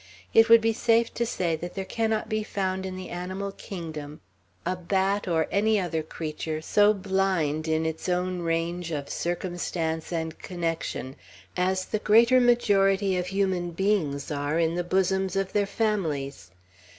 It would be safe to say that there cannot be found in the animal kingdom a bat, or any other creature, so blind in its own range of circumstance and connection, as the greater majority of human beings are in the bosoms of their families.